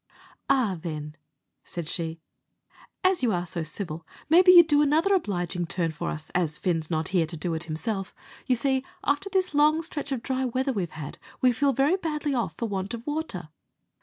"Arrah, then," said she, "as you are so civil, maybe you'd do another obliging turn for us, as Fin's not here to do it himself. You see, after this long stretch of dry weather we've had, we feel very badly off for want of water.